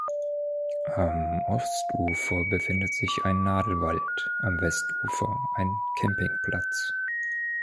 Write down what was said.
Am Ostufer befindet sich ein Nadelwald, am Westufer ein Campingplatz.